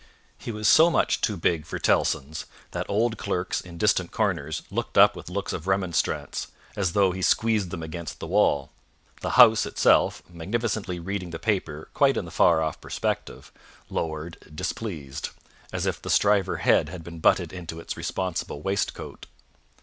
He was so much too big for Tellson's, that old clerks in distant corners looked up with looks of remonstrance, as though he squeezed them against the wall. The House itself, magnificently reading the paper quite in the far off perspective, lowered displeased, as if the Stryver head had been butted into its responsible waistcoat.